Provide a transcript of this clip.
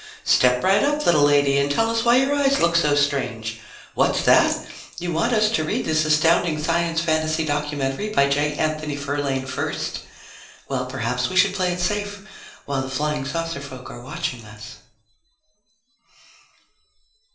Step right up, little lady and tell us why your eyes look so strange! What's that? You want us to read this astounding science fantasy documentary by J. Anthony Ferlaine first? Well perhaps we should play it safe while the flying saucer folk are watching us!